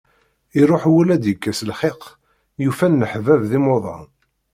Iṛuḥ wul ad d-yekkes lxiq, yufa-n leḥbab d imuḍan.